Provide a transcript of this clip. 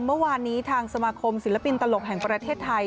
เมื่อวานนี้ทางสมาคมศิลปินตลกแห่งประเทศไทย